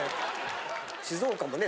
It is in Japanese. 静岡もね